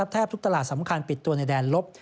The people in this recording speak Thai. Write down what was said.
แทบทุกตลาดสำคัญปิดตัวในแดนลบ